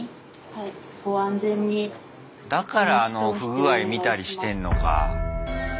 だからあの不具合見たりしてんのか。